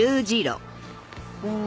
うん。